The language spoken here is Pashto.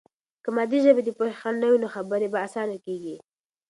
که مادي ژبه د پوهې خنډ نه وي، نو خبرې به آسانه کیږي.